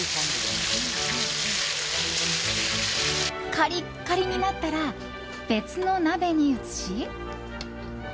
カリッカリになったら別の鍋に移し